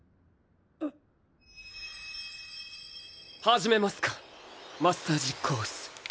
始めますかマッサージコース。